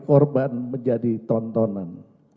korban menjadi tontonan